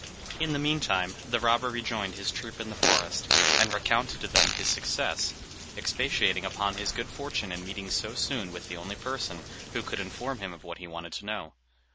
In the meantime, the robber rejoined his troop in the forest, and recounted to them his success, expatiating upon his good fortune in meeting so soon with the only person who could inform him of what he wanted to know.